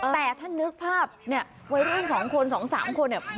แต่ถ้านึกภาพเนี่ยวัยลุงสองคนสองสามคนเนี่ย